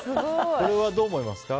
これはどう思いますか？